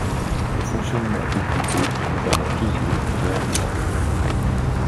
Le fonctionnement au plus tôt est notamment toujours réalisable.